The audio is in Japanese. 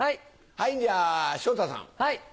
はいじゃあ昇太さん。